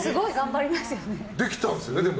できたんですよね、でも。